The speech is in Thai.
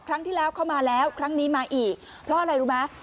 ครั้งที่แล้วเข้ามาแล้วครั้งนี้มาอีกเพราะอะไรรู้ไหม